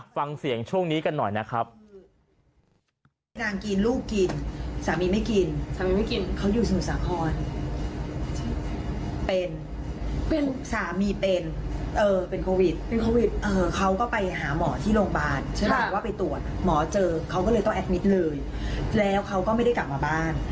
ฟังเสียงช่วงนี้กันหน่อยนะครับ